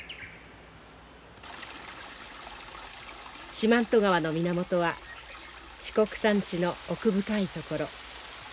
四万十川の源は四国山地の奥深い所。